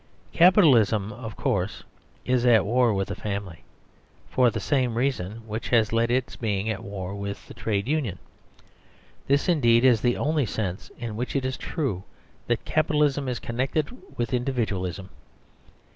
Capitalism, of course, is at war with the family, for the same reason which has led to its being at war with the Trade Union. This indeed is the only sense in which it is true that capitalism is connected with individualism.